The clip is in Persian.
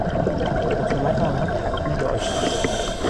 خصومت آنها تبدیل به آشتی شد.